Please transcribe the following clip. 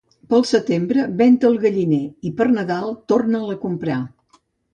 Pel setembre ven-te el galliner i per Nadal torna'l a comprar.